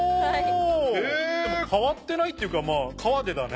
でも変わってないっていうか河出だね。